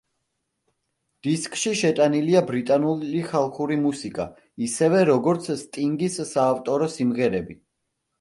დისკში შეტანილია ბრიტანული ხალხური მუსიკა, ისევე როგორც სტინგის საავტორო სიმღერები.